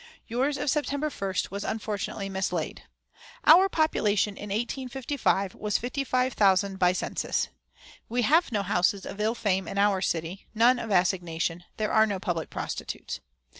(Yours of September 1st was unfortunately mislaid.) "Our population in 1855 was 55,000 by census. "We have no houses of ill fame in our city; none of assignation; there are no public prostitutes.